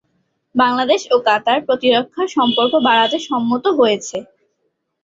বাংলাদেশ ও কাতার প্রতিরক্ষা সম্পর্ক বাড়াতে সম্মত হয়েছে।